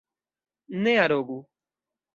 Ne arogu!